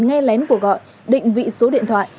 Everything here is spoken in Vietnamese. nghe lén của gọi định vị số điện thoại